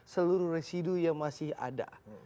seluruh residu yang masih ada